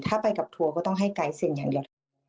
ถ้าไปกับทัวร์ก็ต้องให้ไกด์สิ่งอย่างเดียวค่ะ